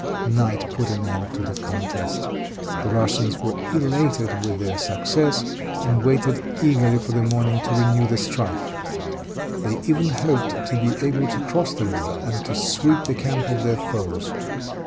Night put an end to the contest. The Russians were elated with their success, and waited eagerly for the morning to renew the strife. They even hoped to be able to cross the river and to sweep the camp of their foes.